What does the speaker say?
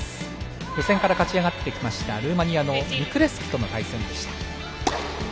予選から勝ち上がってきたルーマニアのニクレスクとの対戦でした。